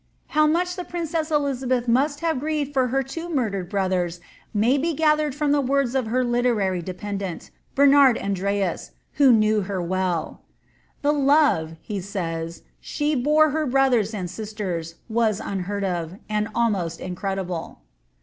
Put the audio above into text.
* How much the princess Elizabeth must have grieved for her two murdered brothers may be gathered from the words of her literary dependant, Bernard Andreas,' who knew her well :^ The love," he says, ^ she bore her brothers and sisters, was unheard of, and almost incredible."